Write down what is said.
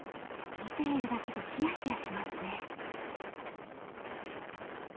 見ているだけでヒヤヒヤしますね！